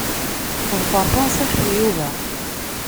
Ḍfer tanṣiḥt n Yuba.